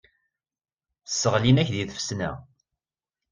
Sseɣlin-ak deg tfesna.